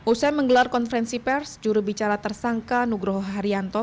usai menggelar konferensi pers jurubicara tersangka nugroho haryanto